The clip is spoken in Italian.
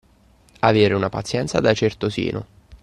Avere una pazienza da certosino.